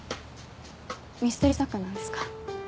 ミステリ作家なんですから。